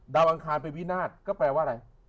อังคารเป็นวินาศก็แปลว่าอะไร